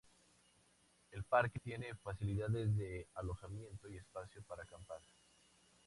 El parque tiene facilidades de alojamiento y espacio para acampar.